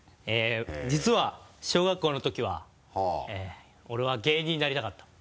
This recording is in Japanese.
実は小学校のときは俺は芸人になりたかった。